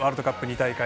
２大会